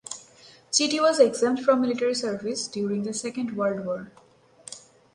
Chitty was exempt from military service during the Second World War.